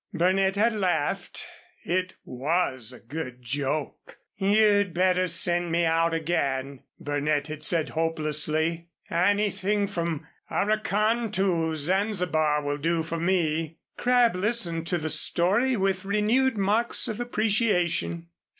Burnett had laughed. It was a good joke. "You'd better send me out again," Burnett had said, hopelessly. "Anything from Arakan to Zanzibar will do for me." Crabb listened to the story with renewed marks of appreciation.